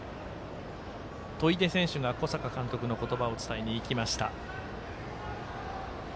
砥出選手が小坂監督の言葉を伝えにいきました。